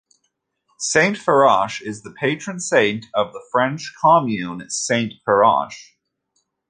Saint Fiacre is the patron saint of the French commune Saint-Fiacre.